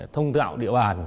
thông tạo địa bàn